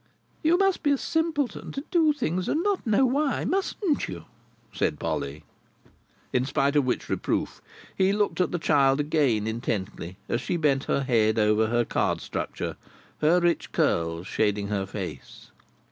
"You must be a simpleton to do things and not know why, mustn't you?" said Polly. In spite of which reproof, he looked at the child again, intently, as she bent her head over her card structure, her rich curls shading her face.